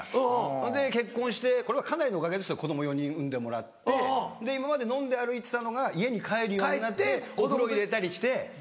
ほんで結婚してこれは家内のおかげですけど子供４人産んでもらって今まで飲んで歩いてたのが家に帰るようになってお風呂入れたりして。